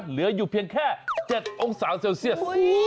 เหลืออยู่เพียงแค่๗องศาเซลเซียส